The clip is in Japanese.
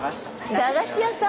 駄菓子屋さん。